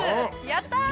やったあ。